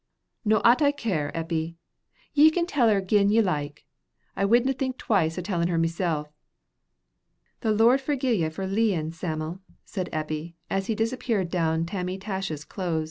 "No 'at I care, Eppie; ye can tell her gin ye like. I widna think twice o' tellin' her mysel." "The Lord forgie ye for leein', Sam'l," said Eppie, as he disappeared down Tammy Tosh's close.